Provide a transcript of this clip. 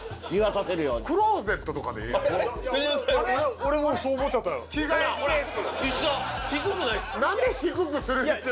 俺もそう思っちゃったよ。